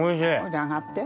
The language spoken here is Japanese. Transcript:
じゃああがって。